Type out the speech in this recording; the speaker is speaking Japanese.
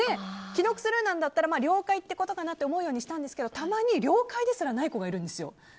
既読スルーなんだったら了解ってことかなって思うようにしたんですけどたまに了解ですがない子もいるんですよ。